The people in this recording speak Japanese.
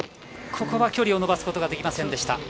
ここは距離を伸ばすことはできませんでした。